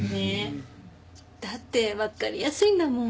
だってわかりやすいんだもん。